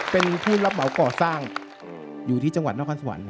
เป็นผู้รับเหมาก่อสร้างอยู่ที่จังหวัดนครสวรรค์